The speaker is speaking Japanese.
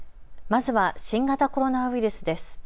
まずは新型コロナウイルスです。